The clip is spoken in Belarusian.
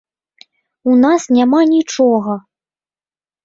У нас няма нічога.